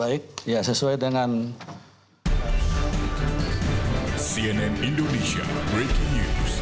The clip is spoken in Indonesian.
baik ya sesuai dengan